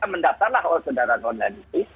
mendaftarlah ojong kendaraan online itu